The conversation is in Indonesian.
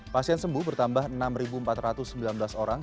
pasien sembuh bertambah enam empat ratus sembilan belas orang